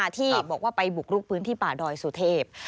ที่บอกว่าไปบุกรุกพื้นที่ป่าดอยสุเทพ